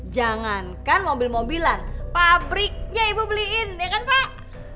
jangankan mobil mobilan pabriknya ibu beliin ya kan pak